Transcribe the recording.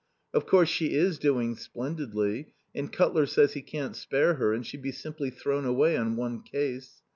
Of course she is doing splendidly, and Cutler says he can't spare her and she'd be simply thrown away on one case.